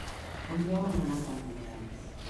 On deuen anar tan mudats.